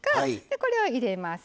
これを入れます。